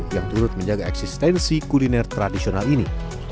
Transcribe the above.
yang turut menjaga eksistensi kuliner tradisional ini